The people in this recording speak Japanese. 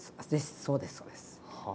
そうですそうです。